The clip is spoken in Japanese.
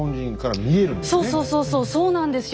そうそうそうそうそうなんですよ。